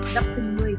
nằm từng người